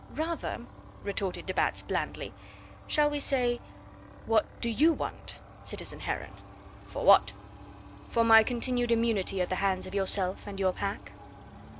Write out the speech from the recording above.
"Rather," retorted de Batz blandly, "shall we say, what do YOU want, citizen Heron?" "For what? "For my continued immunity at the hands of yourself and your pack?"